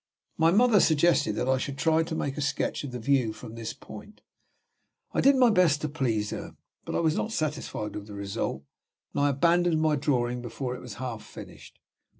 My mother suggested that I should try to make a sketch of the view from this point. I did my best to please her, but I was not satisfied with the result; and I abandoned my drawing before it was half finished.